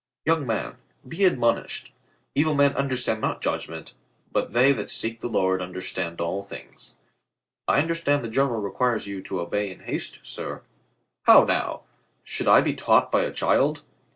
Young man, be admonished. Evil men understand not judgment, but they that seek the Lord understand all things." "I understand the general requires you to obey in haste, sir." "How now! Shall I be taught by a child?